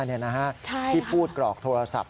ใช่ค่ะที่พูดกรอกโทรศัพท์